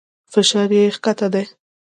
فشار دې کښته دى.